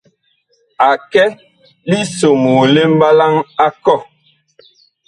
A kɛ lisomoo li mɓalaŋ a kɔh.